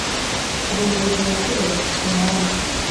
Ubuyobozi Bukuru bufite impamvu